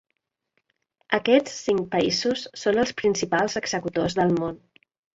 Aquests cinc països són els principals executors del món.